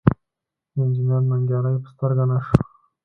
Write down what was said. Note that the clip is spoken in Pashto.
انجنیر ننګیالی په سترګه نه شو.